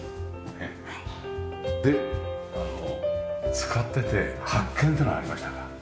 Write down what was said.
使ってて発見っていうのはありましたか？